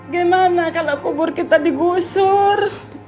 gimana kalau kubur kita digusur